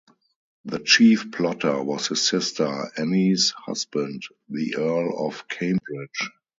The chief plotter was his sister Anne's husband, the Earl of Cambridge.